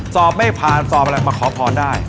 สอบไม่พลาดสอบมาขอพรได้